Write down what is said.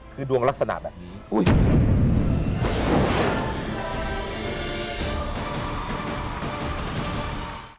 คือดวงลักษณะแบบนี้